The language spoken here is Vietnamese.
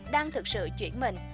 đang thực sự chuyển mình